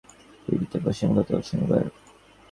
দুই প্রান্তের এই দুই মহীরথী বিয়ের পিঁড়িতে বসেন গতকাল শনিবার।